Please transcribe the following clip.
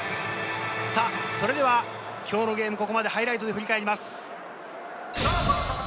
それでは今日のゲーム、ここまでハイライトで振り返ります。